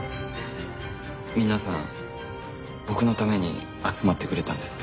皆さん僕のために集まってくれたんですか？